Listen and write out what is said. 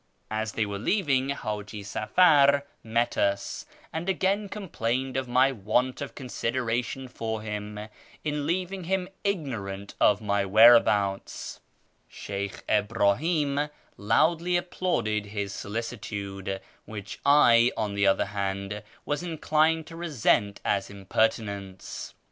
As they were leaving, Haji Safar met us, and again complained of my want of consideration for him in leaving him ignorant of my whereabouts. Sheykh Ibrahim AMONGST THE KALANDARS 505 loudly applauded bis solicitude, whicli I, on the other hand, was inclined to resent as impertinence.